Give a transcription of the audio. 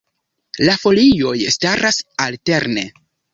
La folioj staras alterne.